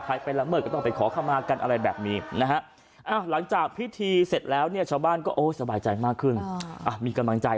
ก็เอาไปแล้วก็ต้องให้อะไรกลับมาบางภายก็ให้โชคกับว่างสิ